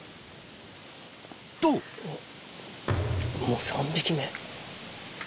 もう３匹目。